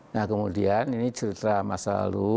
nah kemudian ini cerita masa lalu